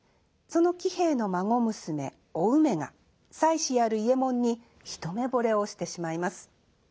その喜兵衛の孫娘お梅が妻子ある伊右衛門に一目惚れをしてしまいます。